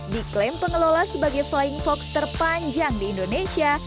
diklaim pengelola sebagai flying fox terpanjang di indonesia